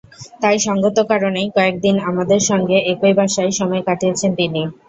তাই সংগত কারণেই কয়েক দিন আমাদের সঙ্গে একই বাসায় সময় কাটিয়েছেন তিনি।